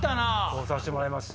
こうさしてもらいます。